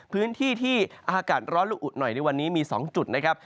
พื้นที่ที่อากาศร้อนและอุหน่อยในวันนี้มี๒จุดนะครับ